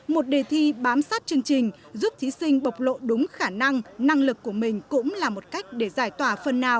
một đề thi bám sát chương trình giúp thí sinh bộc lộ đúng khả năng năng lực của mình cũng là một cách để giải tỏa phần nào